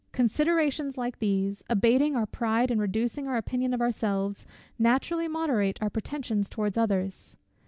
Considerations like these, abating our pride and reducing our opinion of ourselves, naturally moderate our pretensions towards others.